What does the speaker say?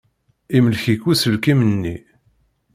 Imlek-ik uselkim-nni.